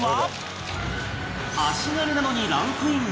足軽なのにランクイン！